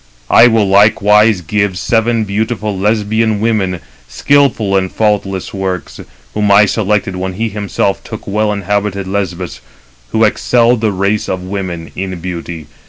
I will likewise give seven beautiful Lesbian women, skilful in faultless works; whom I selected when he himself took well inhabited Lesbos, who excel the race of women in beauty.